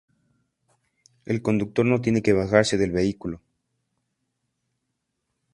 El conductor no tiene que bajarse del vehículo.